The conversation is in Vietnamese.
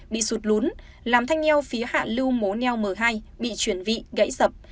bị sụt lún làm thanh neo phía hạ lưu mố neo m hai bị chuyển vị gãy sập